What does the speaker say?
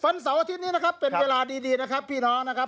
เสาร์อาทิตย์นี้นะครับเป็นเวลาดีนะครับพี่น้องนะครับ